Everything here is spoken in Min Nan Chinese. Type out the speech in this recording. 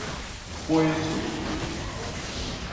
掰喙